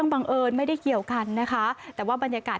ไปถ่ายรูปกับน้อง